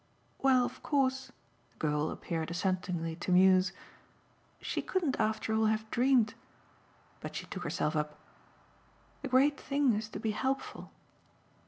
"Well, of course," the girl appeared assentingly to muse, "she couldn't after all have dreamed !" But she took herself up. "The great thing is to be helpful."